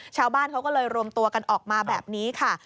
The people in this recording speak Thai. ชาวบ้านเขาก็เลยรวมตัวกันออกมาแบบนี้ค่ะ